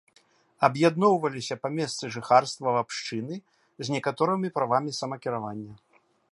Аб'ядноўваліся па месцы жыхарства ў абшчыны з некаторымі правамі самакіравання.